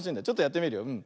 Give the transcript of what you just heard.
ちょっとやってみるよ。